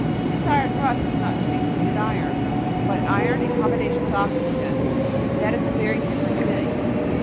This iron rust is not transmuted iron, but iron in combination with oxygen, and that is a very different thing.